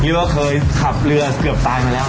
ว่าเคยขับเรือเกือบตายมาแล้ว